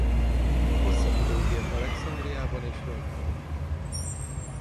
Hosszabb ideig élt Alexandriában és Rómában.